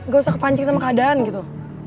gak usah kepancing sama keadaan gitu